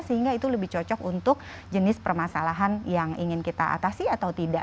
sehingga itu lebih cocok untuk jenis permasalahan yang ingin kita atasi atau tidak